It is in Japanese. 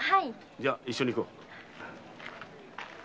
じゃ一緒に行こう。